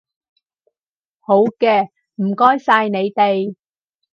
好嘅，唔該曬你哋